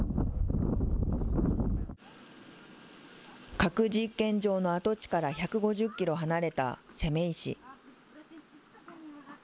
核実験場の跡地から１５０キロ離れたセメイ市。